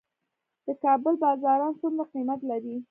د کابل بازان څومره قیمت لري؟